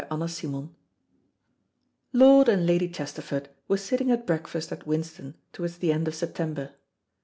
CHAPTER THIRTEEN Lord and Lady Chesterford were sitting at breakfast at Winston towards the end of September.